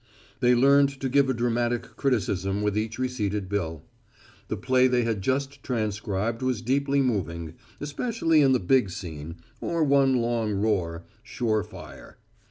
They learned to give a dramatic criticism with each receipted bill. The play they had just transcribed was deeply moving, especially in the big scene, or one long roar, sure fire.